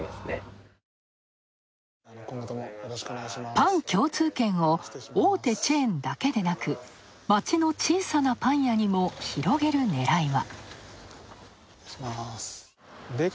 パン共通券を大手チェーンだけでなく街の小さなパン屋にも広げるねらいは。